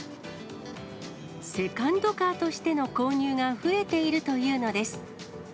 セカンドカーとしての購入が増えているというのです。